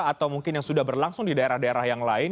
atau mungkin yang sudah berlangsung di daerah daerah yang lain